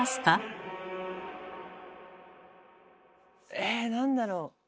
え何だろう？